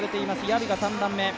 ヤビが３番目。